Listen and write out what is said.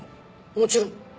もちろん。